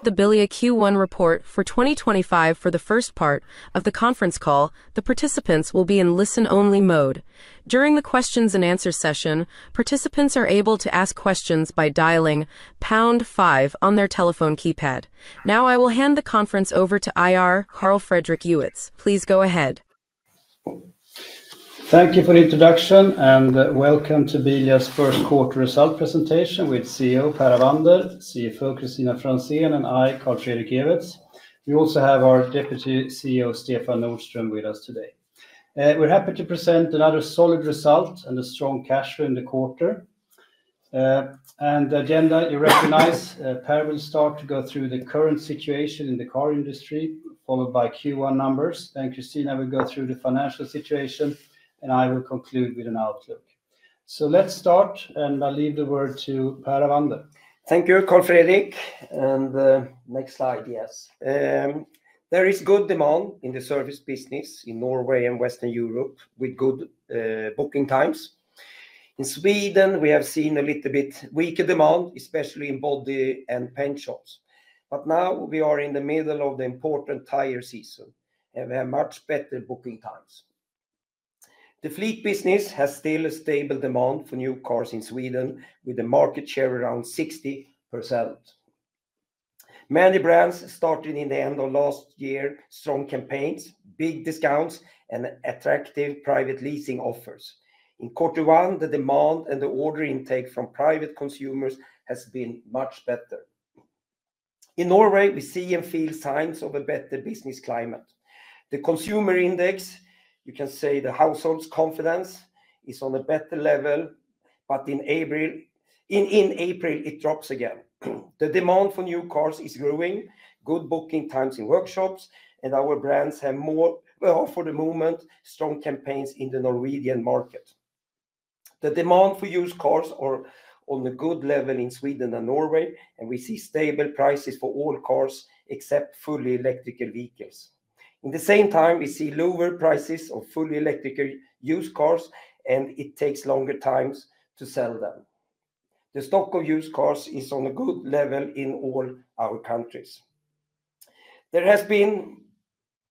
The Bilia Q1 report for 2025. For the first part of the conference call, the participants will be in listen-only mode. During the questions-and-answers session, participants are able to ask questions by dialing #5 on their telephone keypad. Now I will hand the conference over to IR, Carl Fredrik Ewetz. Please go ahead. Thank you for the introduction, and welcome to Bilia's first quarter result presentation with CEO Per Avander, CFO Kristina Franzén, and I, Carl Fredrik Ewetz. We also have our Deputy CEO, Stefan Nordström, with us today. We're happy to present another solid result and a strong cash flow in the quarter. The agenda, you recognize, Per will start to go through the current situation in the car industry, followed by Q1 numbers, and Kristina will go through the financial situation, and I will conclude with an outlook. Let's start, and I'll leave the word to Per Avander. Thank you, Carl Fredrik. Next slide, yes. There is good demand in the service business in Norway and Western Europe with good booking times. In Sweden, we have seen a little bit weaker demand, especially in body and paint shops. Now we are in the middle of the important tire season, and we have much better booking times. The fleet business still has a stable demand for new cars in Sweden, with a market share around 60%. Many brands started at the end of last year, strong campaigns, big discounts, and attractive private leasing offers. In quarter one, the demand and the order intake from private consumers has been much better. In Norway, we see and feel signs of a better business climate. The consumer index, you can say the households' confidence, is on a better level, but in April, in April, it drops again. The demand for new cars is growing, good booking times in workshops, and our brands have more, for the moment, strong campaigns in the Norwegian market. The demand for used cars is on a good level in Sweden and Norway, and we see stable prices for all cars except fully electrical vehicles. In the same time, we see lower prices of fully electrical used cars, and it takes longer times to sell them. The stock of used cars is on a good level in all our countries. There has been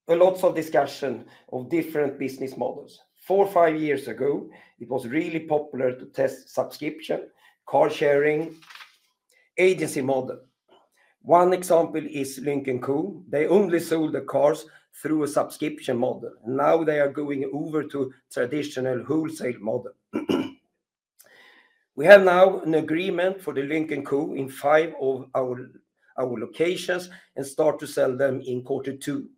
lots of discussion of different business models. Four or five years ago, it was really popular to test subscription, car sharing, agency model. One example is Lynk & Co. They only sold the cars through a subscription model. Now they are going over to a traditional wholesale model. We have now an agreement for the Lynk & Co in five of our locations and start to sell them in quarter two.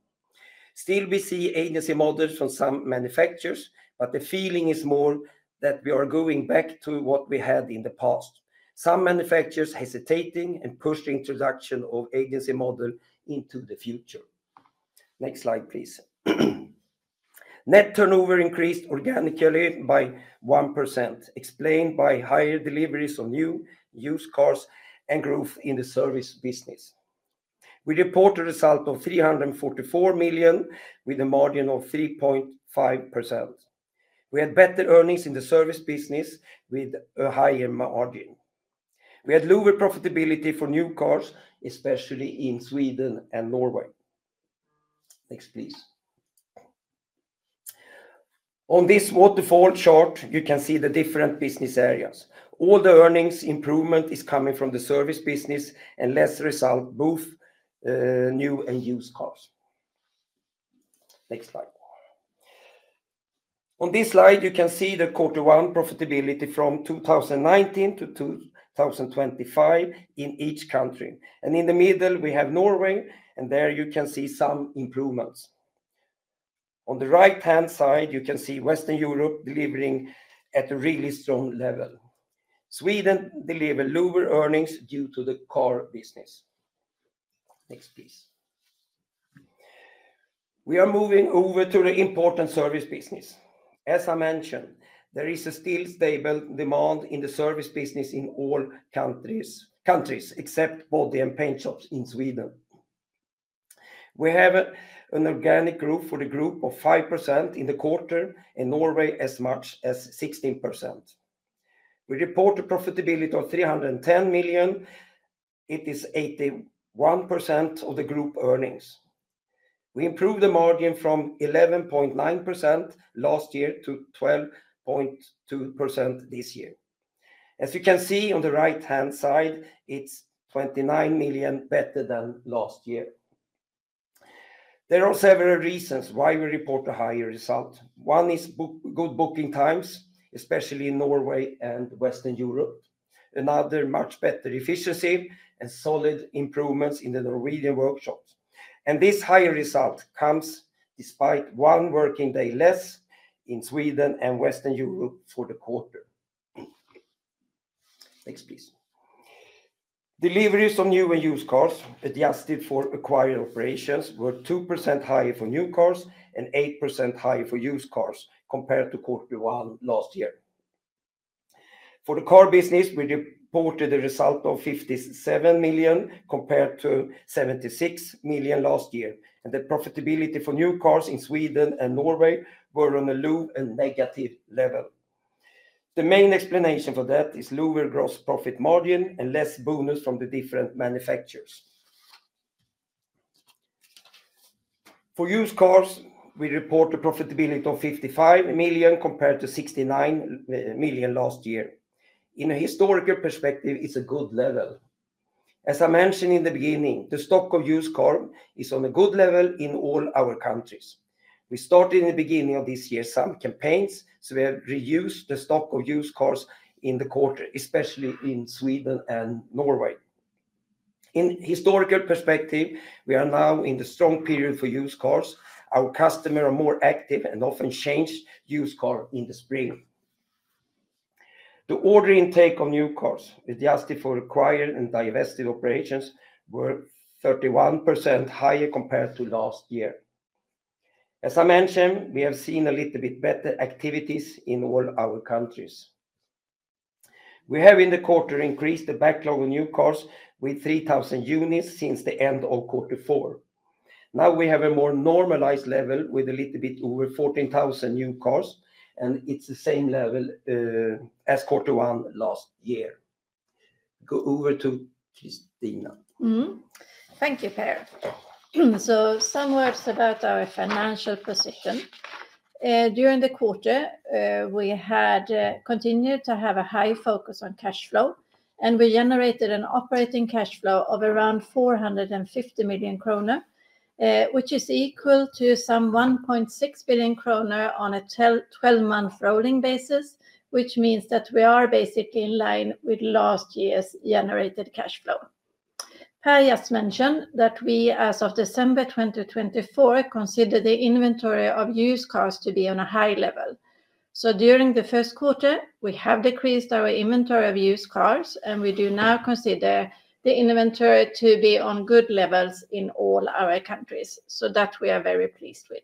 Still, we see agency models from some manufacturers, but the feeling is more that we are going back to what we had in the past. Some manufacturers are hesitating and pushing the introduction of the agency model into the future. Next slide, please. Net turnover increased organically by 1%, explained by higher deliveries of new used cars and growth in the service business. We report a result of 344 million with a margin of 3.5%. We had better earnings in the service business with a higher margin. We had lower profitability for new cars, especially in Sweden and Norway. Next, please. On this waterfall chart, you can see the different business areas. All the earnings improvement is coming from the service business and less result both new and used cars. Next slide. On this slide, you can see the quarter one profitability from 2019 to 2025 in each country. In the middle, we have Norway, and there you can see some improvements. On the right-hand side, you can see Western Europe delivering at a really strong level. Sweden delivered lower earnings due to the car business. Next, please. We are moving over to the important service business. As I mentioned, there is still stable demand in the service business in all countries except body and paint shops in Sweden. We have an organic growth for the group of 5% in the quarter and Norway as much as 16%. We report a profitability of 310 million. It is 81% of the group earnings. We improved the margin from 11.9% last year to 12.2% this year. As you can see on the right-hand side, it is 29 million better than last year. There are several reasons why we report a higher result. One is good booking times, especially in Norway and Western Europe. Another, much better efficiency and solid improvements in the Norwegian workshops. This higher result comes despite one working day less in Sweden and Western Europe for the quarter. Next, please. Deliveries of new and used cars adjusted for acquired operations were 2% higher for new cars and 8% higher for used cars compared to quarter one last year. For the car business, we reported a result of 57 million compared to 76 million last year. The profitability for new cars in Sweden and Norway were on a low and negative level. The main explanation for that is lower gross profit margin and less bonus from the different manufacturers. For used cars, we report a profitability of 55 million compared to 69 million last year. In a historical perspective, it's a good level. As I mentioned in the beginning, the stock of used cars is on a good level in all our countries. We started in the beginning of this year some campaigns, so we have reused the stock of used cars in the quarter, especially in Sweden and Norway. In historical perspective, we are now in the strong period for used cars. Our customers are more active and often change used cars in the spring. The order intake of new cars adjusted for acquired and divested operations were 31% higher compared to last year. As I mentioned, we have seen a little bit better activities in all our countries. We have in the quarter increased the backlog of new cars with 3,000 units since the end of quarter four. Now we have a more normalized level with a little bit over 14,000 new cars, and it's the same level as quarter one last year. Go over to Kristina. Thank you, Per. Some words about our financial position. During the quarter, we had continued to have a high focus on cash flow, and we generated an operating cash flow of around 450 million kronor, which is equal to some 1.6 billion kronor on a 12-month rolling basis, which means that we are basically in line with last year's generated cash flow. Per just mentioned that we, as of December 2024, consider the inventory of used cars to be on a high level. During the first quarter, we have decreased our inventory of used cars, and we do now consider the inventory to be on good levels in all our countries, so that we are very pleased with.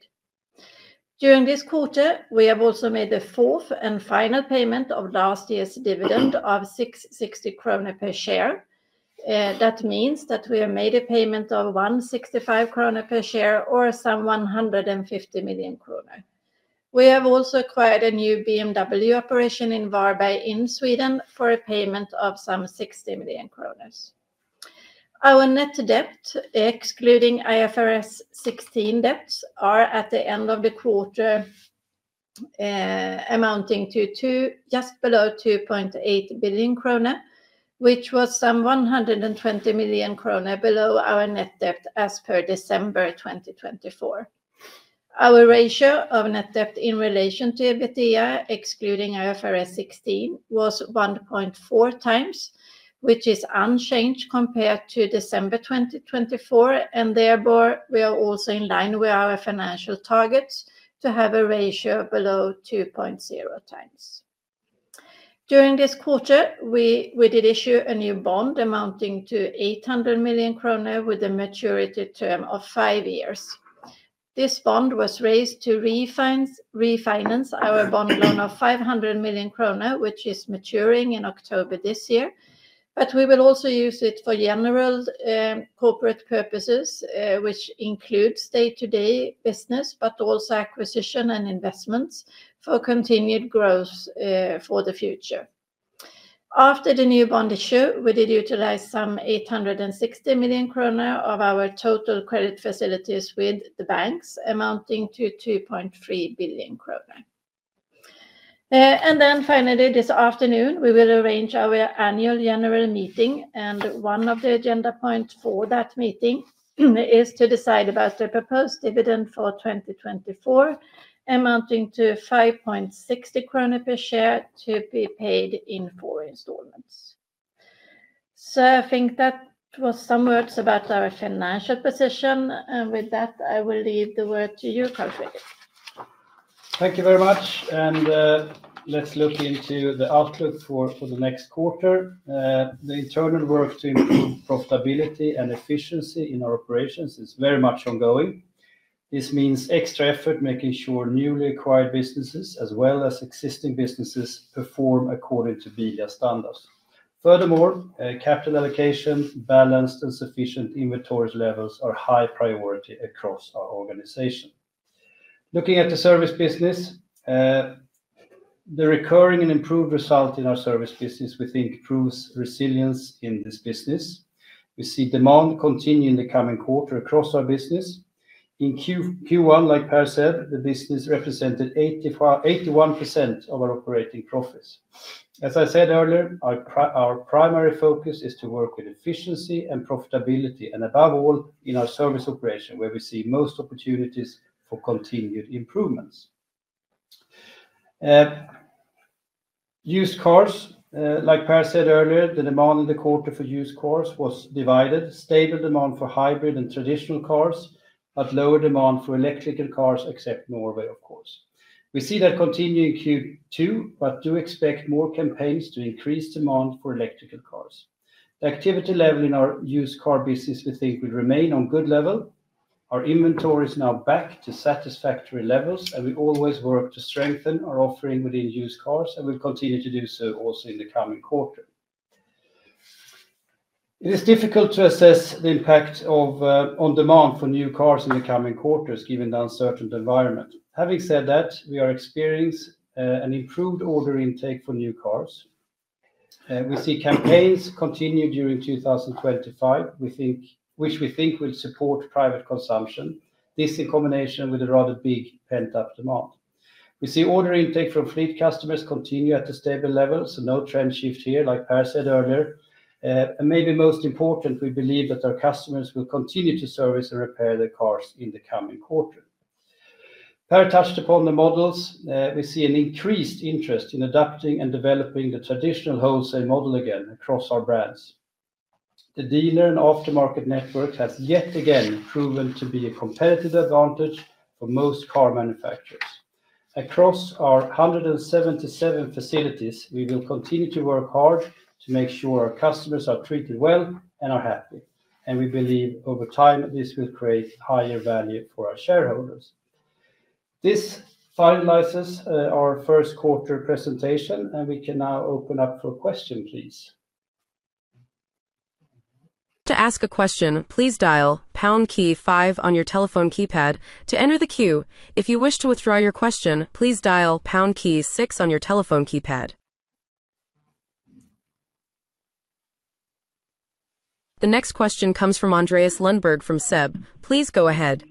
During this quarter, we have also made the fourth and final payment of last year's dividend of 6.60 krona per share. That means that we have made a payment of 1.65 krona per share or some 150 million krona. We have also acquired a new BMW operation in Varberg in Sweden for a payment of some 60 million kronor. Our net debt, excluding IFRS 16 debts, is at the end of the quarter amounting to just below 2.8 billion krona, which was some 120 million krona below our net debt as per December 2024. Our ratio of net debt in relation to EBITDA, excluding IFRS 16, was 1.4x, which is unchanged compared to December 2024, and therefore we are also in line with our financial targets to have a ratio below 2.0x. During this quarter, we did issue a new bond amounting to 800 million kronor with a maturity term of five years. This bond was raised to refinance our bond loan of 500 million krona, which is maturing in October this year. We will also use it for general corporate purposes, which include day-to-day business, but also acquisition and investments for continued growth for the future. After the new bond issue, we did utilize some 860 million krona of our total credit facilities with the banks, amounting to 2.3 billion krona. Finally, this afternoon, we will arrange our annual general meeting, and one of the agenda points for that meeting is to decide about the proposed dividend for 2024, amounting to 5.60 krona per share to be paid in four installments. I think that was some words about our financial position, and with that, I will leave the word to you, Carl Fredrik. Thank you very much, and let's look into the outlook for the next quarter. The internal work to improve profitability and efficiency in our operations is very much ongoing. This means extra effort making sure newly acquired businesses as well as existing businesses perform according to Bilia standards. Furthermore, capital allocation, balanced, and sufficient inventory levels are high priority across our organization. Looking at the service business, the recurring and improved result in our service business, we think, proves resilience in this business. We see demand continue in the coming quarter across our business. In Q1, like Per said, the business represented 81% of our operating profits. As I said earlier, our primary focus is to work with efficiency and profitability, and above all, in our service operation, where we see most opportunities for continued improvements. Used cars, like Per said earlier, the demand in the quarter for used cars was divided. Stable demand for hybrid and traditional cars, but lower demand for electrical cars except Norway, of course. We see that continuing Q2, but do expect more campaigns to increase demand for electrical cars. The activity level in our used car business, we think, will remain on good level. Our inventory is now back to satisfactory levels, and we always work to strengthen our offering within used cars, and we'll continue to do so also in the coming quarter. It is difficult to assess the impact of demand for new cars in the coming quarters, given the uncertain environment. Having said that, we are experiencing an improved order intake for new cars. We see campaigns continue during 2025, which we think will support private consumption. This is in combination with a rather big pent-up demand. We see order intake from fleet customers continue at a stable level, so no trend shift here, like Per said earlier. Maybe most important, we believe that our customers will continue to service and repair their cars in the coming quarter. Per touched upon the models. We see an increased interest in adapting and developing the traditional wholesale model again across our brands. The dealer and aftermarket network has yet again proven to be a competitive advantage for most car manufacturers. Across our 177 facilities, we will continue to work hard to make sure our customers are treated well and are happy. We believe over time, this will create higher value for our shareholders. This finalizes our first quarter presentation, and we can now open up for questions, please. To ask a question, please dial pound key five on your telephone keypad to enter the queue. If you wish to withdraw your question, please dial pound key six on your telephone keypad. The next question comes from Andreas Lundberg from SEB. Please go ahead.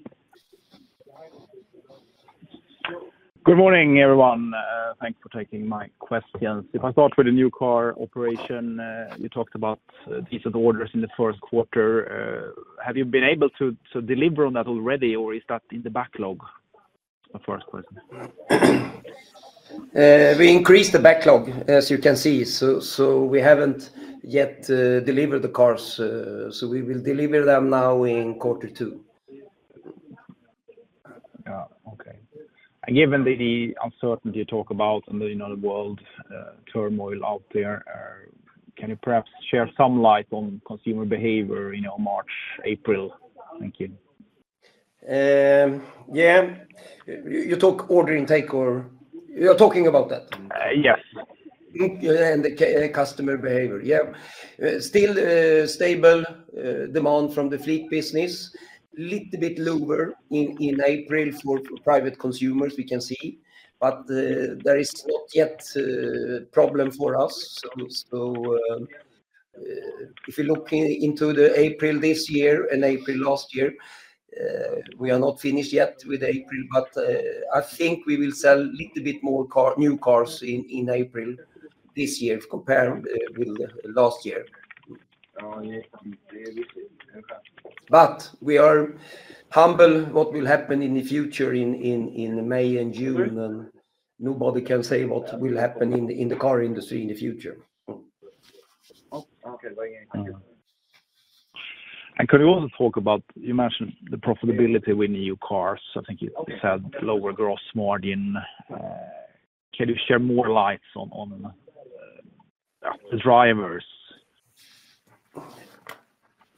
Good morning, everyone. Thanks for taking my questions. If I start with the new car operation, you talked about these orders in the first quarter. Have you been able to deliver on that already, or is that in the backlog? The first question. We increased the backlog, as you can see. We haven't yet delivered the cars. We will deliver them now in quarter two. Okay. Given the uncertainty you talk about and the world turmoil out there, can you perhaps share some light on consumer behavior in March, April? Thank you. Yeah. You talk order intake or you're talking about that? Yes. Customer behavior, yeah. Still stable demand from the fleet business. A little bit lower in April for private consumers, we can see. There is not yet a problem for us. If you look into April this year and April last year, we are not finished yet with April, but I think we will sell a little bit more new cars in April this year compared with last year. We are humble about what will happen in the future in May and June, and nobody can say what will happen in the car industry in the future. Thank you. Could you also talk about, you mentioned the profitability with new cars. I think you said lower gross margin. Can you share more light on the drivers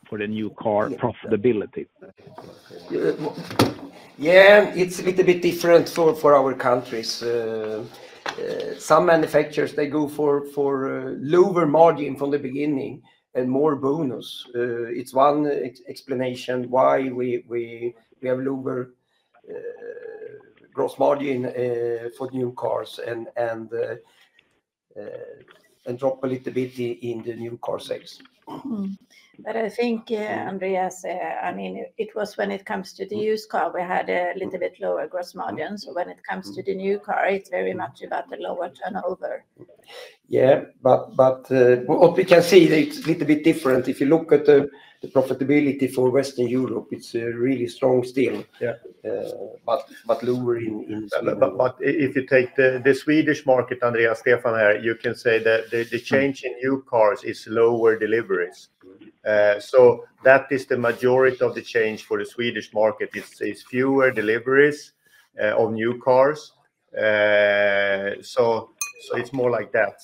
for the new car profitability? Yeah, it's a little bit different for our countries. Some manufacturers, they go for lower margin from the beginning and more bonus. It's one explanation why we have lower gross margin for new cars and drop a little bit in the new car sales. I think, Andreas, I mean, it was when it comes to the used car, we had a little bit lower gross margin. When it comes to the new car, it's very much about the lower turnover. Yeah, but what we can see, it's a little bit different. If you look at the profitability for Western Europe, it's really strong still, but lower in turnover. If you take the Swedish market, Andreas, Stefan here, you can say the change in new cars is lower deliveries. That is the majority of the change for the Swedish market. It's fewer deliveries of new cars. It's more like that.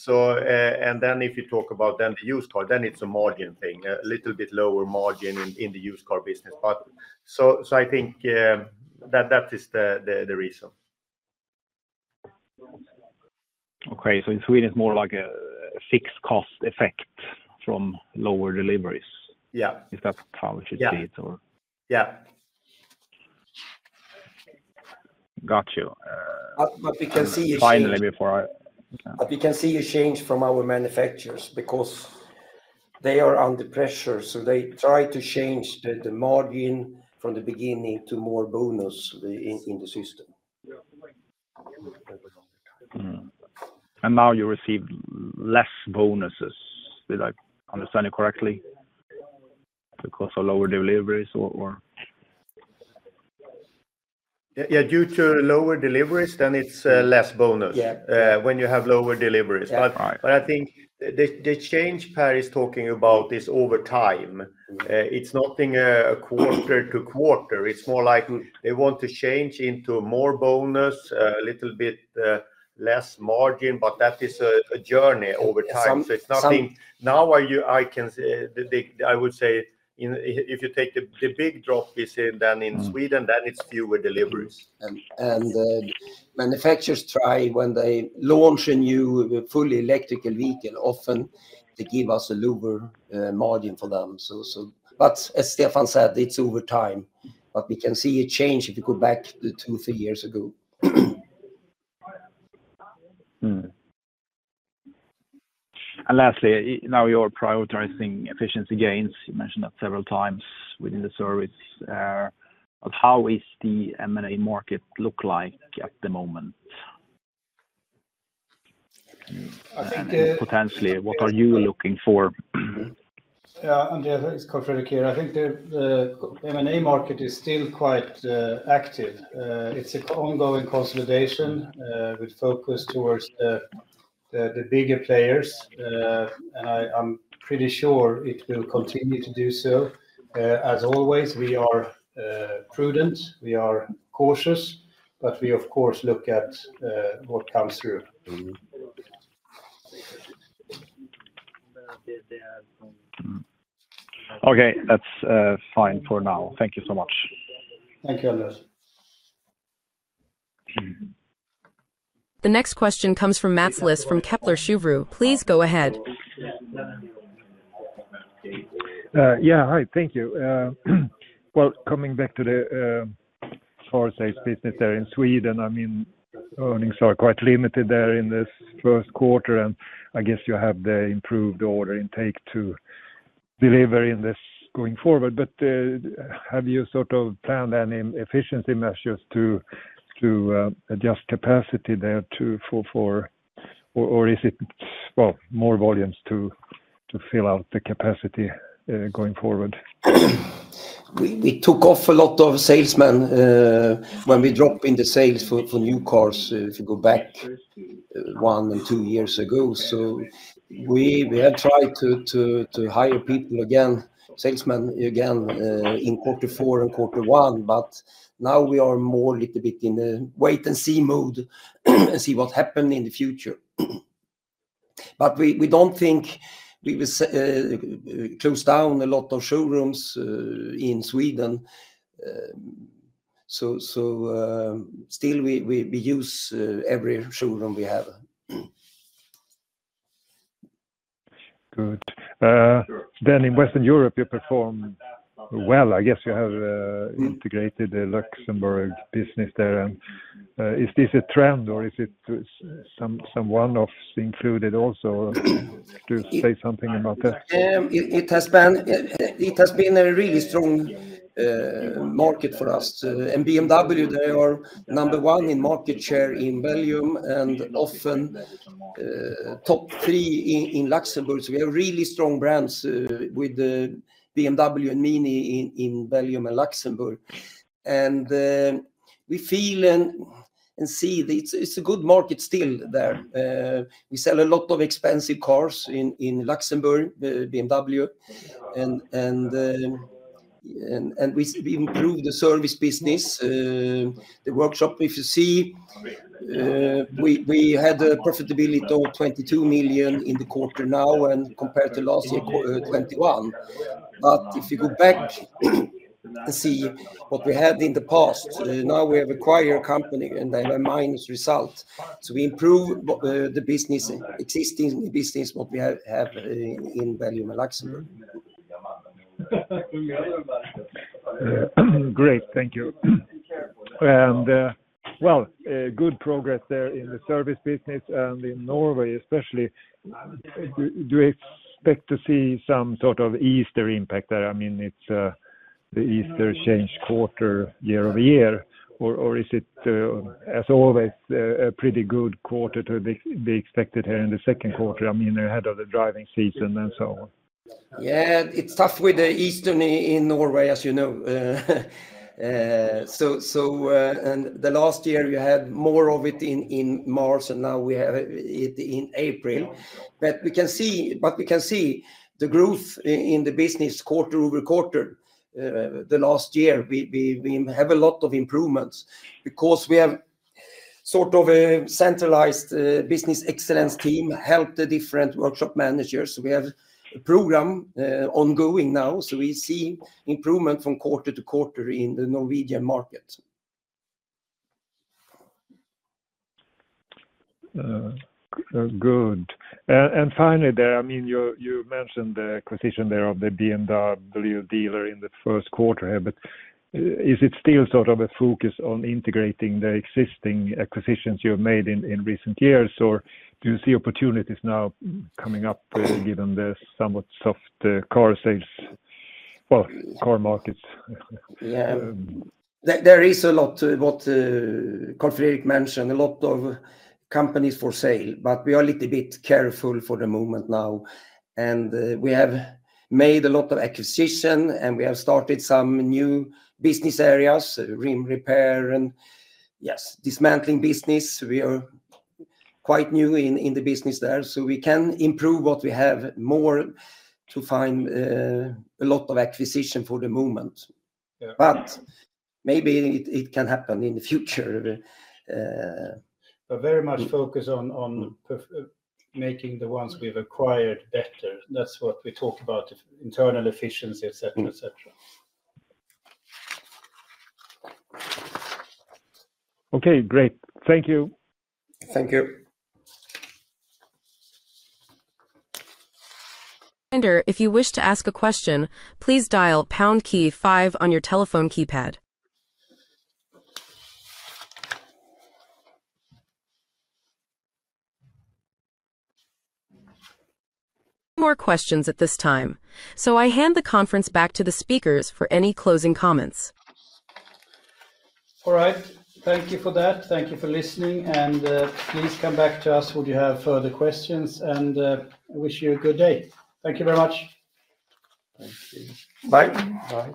If you talk about the used car, then it's a margin thing, a little bit lower margin in the used car business. I think that is the reason. Okay. In Sweden, it's more like a fixed cost effect from lower deliveries. Yeah. If that's how it should be. Yeah. Got you. We can see a change. Finally, before I. We can see a change from our manufacturers because they are under pressure. They try to change the margin from the beginning to more bonus in the system. You receive less bonuses. Did I understand you correctly? Because of lower deliveries or? Yeah, due to lower deliveries, then it's less bonus when you have lower deliveries. I think the change Per is talking about is over time. It's nothing quarter to quarter. It's more like they want to change into more bonus, a little bit less margin, but that is a journey over time. It's nothing now I can say. I would say, if you take the big drop we see in Sweden, then it's fewer deliveries. Manufacturers try, when they launch a new fully electrical vehicle, often they give us a lower margin for them. As Stefan said, it's over time. We can see a change if you go back to two or three years ago. Lastly, now you're prioritizing efficiency gains. You mentioned that several times within the service. How is the M&A market look like at the moment? I think. Potentially, what are you looking for? Yeah, Andreas, thanks, Carl Fredrik here. I think the M&A market is still quite active. It's an ongoing consolidation with focus towards the bigger players. I'm pretty sure it will continue to do so. As always, we are prudent. We are cautious, but we, of course, look at what comes through. Okay. That's fine for now. Thank you so much. Thank you, Andreas. The next question comes from Mats Liss from Kepler Cheuvreux. Please go ahead. Yeah. Hi. Thank you. Coming back to the car sales business there in Sweden, I mean, earnings are quite limited there in this first quarter, and I guess you have the improved order intake to deliver in this going forward. Have you sort of planned any efficiency measures to adjust capacity there too for, or is it, more volumes to fill out the capacity going forward? We took off a lot of salesmen when we dropped in the sales for new cars if you go back one and two years ago. We had tried to hire people again, salesmen again in quarter four and quarter one, but now we are more a little bit in the wait-and-see mood and see what happens in the future. We do not think we will close down a lot of showrooms in Sweden. Still, we use every showroom we have. Good. In Western Europe, you perform well. I guess you have integrated the Luxembourg business there. Is this a trend, or is it some one-offs included also? Do you say something about that? It has been a really strong market for us. BMW, they are number one in market share in Belgium and often top three in Luxembourg. We have really strong brands with BMW and Mini in Belgium and Luxembourg. We feel and see it is a good market still there. We sell a lot of expensive cars in Luxembourg, BMW. We improved the service business, the workshop, if you see. We had a profitability of 22 million in the quarter now and compared to last year, 21 million. If you go back and see what we had in the past, now we have a quieter company and they have a minus result. We improve the existing business, what we have in Belgium and Luxembourg. Great. Thank you. Good progress there in the service business and in Norway, especially. Do you expect to see some sort of Easter impact there? I mean, it's the Easter change quarter year over year, or is it, as always, a pretty good quarter to be expected here in the second quarter, I mean, ahead of the driving season and so on? Yeah. It's tough with the Easter in Norway, as you know. Last year, you had more of it in March, and now we have it in April. We can see the growth in the business quarter over quarter. Last year, we have a lot of improvements because we have sort of a centralized business excellence team help the different workshop managers. We have a program ongoing now. We see improvement from quarter to quarter in the Norwegian market. Good. Finally, I mean, you mentioned the acquisition there of the BMW dealer in the first quarter here. Is it still sort of a focus on integrating the existing acquisitions you have made in recent years, or do you see opportunities now coming up given the somewhat soft car sales, car markets? Yeah. There is a lot, what Carl Fredrik mentioned, a lot of companies for sale. We are a little bit careful for the moment now. We have made a lot of acquisition, and we have started some new business areas, rim repair and, yes, dismantling business. We are quite new in the business there. We can improve what we have more to find a lot of acquisition for the moment. Maybe it can happen in the future. Very much focus on making the ones we've acquired better. That's what we talk about, internal efficiency, etc., etc. Okay. Great. Thank you. Thank you. If you wish to ask a question, please dial pound key five on your telephone keypad. No more questions at this time. I hand the conference back to the speakers for any closing comments. All right. Thank you for that. Thank you for listening. Please come back to us when you have further questions. I wish you a good day. Thank you very much. Thank you. Bye. Bye.